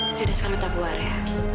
kita sekarang tetap keluar ya